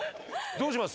どうします？